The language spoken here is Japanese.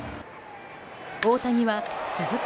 大谷は続く